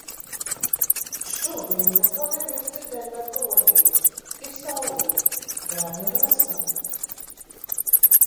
Šodien neko negribu dzirdēt par kroņvīrusu! Ir saulīte. Bērni ir veseli.